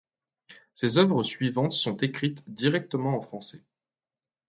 Ses œuvres suivantes sont écrites directement en français.